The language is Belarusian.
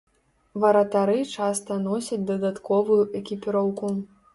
Варатары часта носяць дадатковую экіпіроўку.